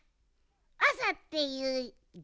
「あさ」っていうじ。